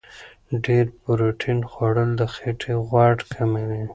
ډېر پروتین خوړل د خېټې غوړ کموي.